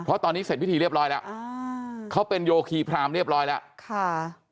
เพราะตอนนี้เสร็จพิธีเรียบร้อยแล้วอ่าเขาเป็นโยคีพรามเรียบร้อยแล้วค่ะ